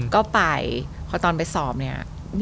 ก็ไปพอตอนไปสอบเนี่ย